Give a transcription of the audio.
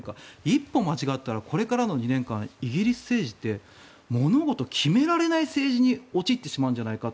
一歩間違ったらこれからの２年間イギリス政治って物事決められない政治に陥ってしまうんじゃないか。